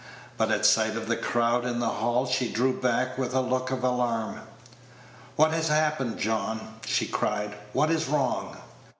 But at sight of the crowd in the hall she drew back with a look of alarm. "What has happened, John?" she cried; "what is wrong?"